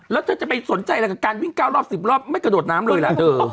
แล้วเธอจะไปสนใจอะไรกับการวิ่ง๙รอบ๑๐รอบไม่กระโดดน้ำเลยล่ะเธอ